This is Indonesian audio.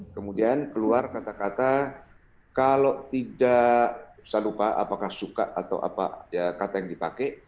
kemudian keluar kata kata kalau tidak saya lupa apakah suka atau apa kata yang dipakai